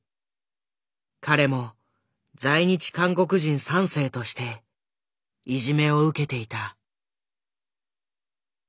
彼も在日韓国人３世としていじめを受けていた。